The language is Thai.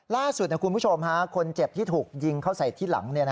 ล่าสุดคุณผู้ชมคนเจ็บที่ถูกยิงเข้าใส่ที่หลัง